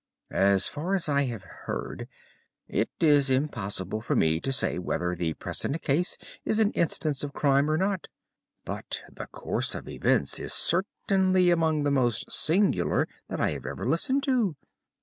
As far as I have heard, it is impossible for me to say whether the present case is an instance of crime or not, but the course of events is certainly among the most singular that I have ever listened to.